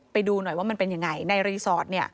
ไปดูหน่อยว่ามันเป็นยังไงในรีสอร์ท